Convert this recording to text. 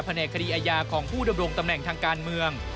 แหนกคดีอาญาของผู้ดำรงตำแหน่งทางการเมือง